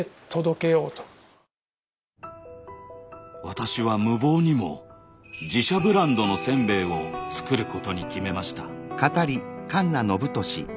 私は無謀にも自社ブランドのせんべいを作ることに決めました。